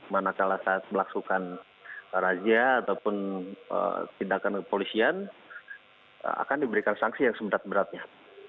manakala saat melaksukan rajah ataupun tindakan kepolisian akan diberikan sanksi yang sembrat beratnya